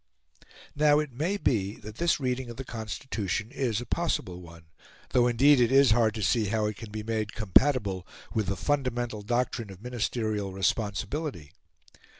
Now it may be that this reading of the Constitution is a possible one, though indeed it is hard to see how it can be made compatible with the fundamental doctrine of ministerial responsibility.